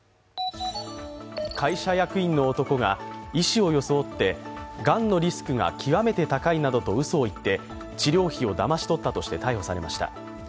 会社役員の男が医師を装って、がんのリスクが極めて高いなどとうそを言って、治療費をだまし取ったとして逮捕されました。